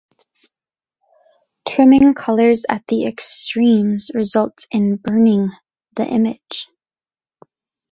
Trimming colors at the extremes results in burning the image.